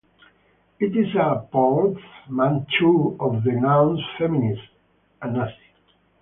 It is a portmanteau of the nouns "feminist" and "Nazi".